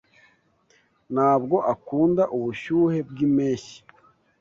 Ntabwo akunda ubushyuhe bwimpeshyi.